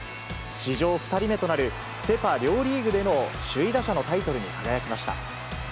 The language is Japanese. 史上２人目となる、セ・パ両リーグでの首位打者のタイトルに輝きました。